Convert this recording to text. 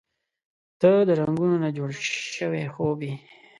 • ته د رنګونو نه جوړ شوی خوب یې.